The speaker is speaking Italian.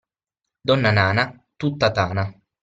Donna nana, tutta tana.